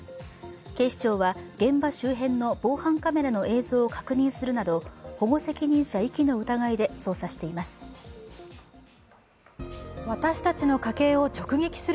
警視庁は現場周辺の防犯カメラの映像を確認するなど保護責任者遺棄の疑いで捜査しています。